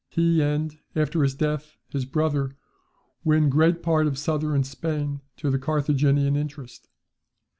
He and, after his death, his brother, win great part of southern Spain to the Carthaginian interest.